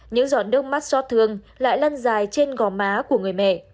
những giọt nước mắt so thương lại lăn dài trên gò má của người mẹ